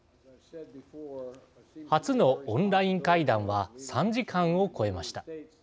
初のオンライン会談は３時間を超えました。